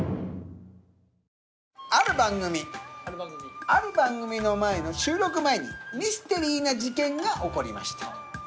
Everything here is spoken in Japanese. ある番組ある番組の収録前にミステリーな事件が起こりました。